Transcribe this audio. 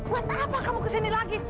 buat apa kamu kesini lagi